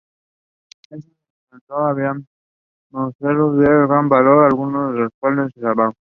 En su interior había mausoleos de gran valor, algunos de los cuales se salvaron.